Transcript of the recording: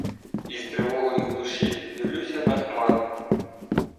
Із тривогою в душі дивлюся на Хмару.